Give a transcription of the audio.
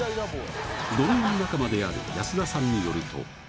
ドローン仲間である安田さんによると。